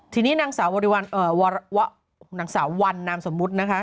ทีนี้นางสาววันนามสมมุตินะคะ